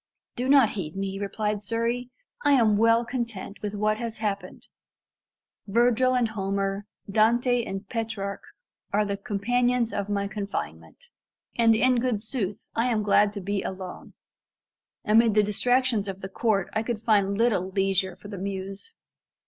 "Do not heed me," replied Surrey; "I am well content with what has happened. Virgil and Homer, Dante and Petrarch, are the companions of my confinement; and in good sooth, I am glad to be alone. Amid the distractions of the court I could find little leisure for the muse."